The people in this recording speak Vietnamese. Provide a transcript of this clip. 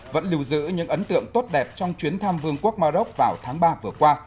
vẫn lưu giữ những ấn tượng tốt đẹp trong chuyến thăm vương quốc maroc vào tháng ba vừa qua